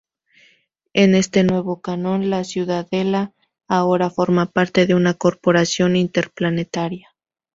En este nuevo canon, "La Ciudadela" ahora forma parte de una corporación interplanetaria.